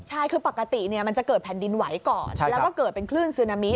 ใช่คือปกติมันจะเกิดแผ่นดินไหวก่อนแล้วก็เกิดเป็นคลื่นซึนามิ